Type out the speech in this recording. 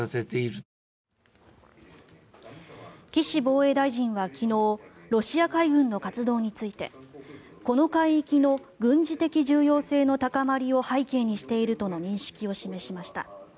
岸防衛大臣は昨日ロシア海軍の活動についてこの海域の軍事的重要性の高まりを背景にしているとの認識を示しました。